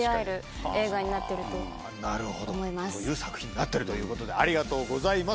確かに。という作品になってるということでありがとうございます。